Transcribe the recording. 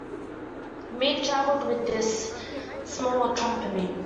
Meek traveled with this smaller company.